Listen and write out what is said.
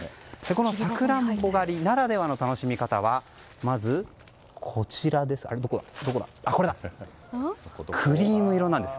このサクランボ狩りならではの楽しみ方はまず、クリーム色なんです。